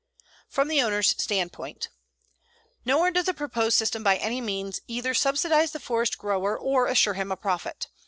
FROM THE OWNER'S STANDPOINT Nor does the proposed system by any means either subsidize the forest grower or assure him a profit.